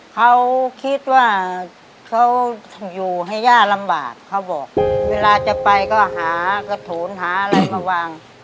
เขาคิดว่าเขาอยู่ให้ย่าลำบากเขาบอกเวลาจะไปก็หากระถูนหาอะไรมาวาง